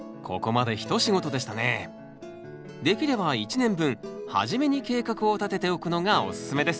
できれば１年分初めに計画をたてておくのがおすすめです。